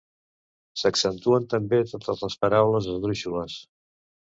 S'accentuen també totes les paraules esdrúixoles.